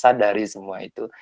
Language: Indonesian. sadari semua itu